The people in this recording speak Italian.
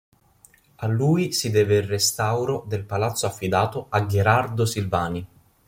A lui si deve il restauro del palazzo affidato a Gherardo Silvani.